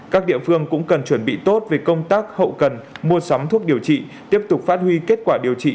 các địa phương cũng cần chuẩn bị tốt về công tác hậu cần mua sắm thuốc điều trị tiếp tục phát huy kết quả điều trị